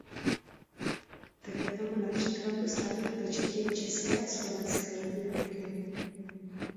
Tak je tomu například u státní pečetě České a Slovenské republiky.